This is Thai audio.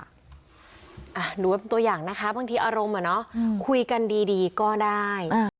หรือว่าเป็นตัวอย่างนะคะบางทีอารมณ์อะเนาะคุยกันดีก็ได้